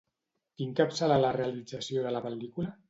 Qui encapçala la realització de la pel·lícula?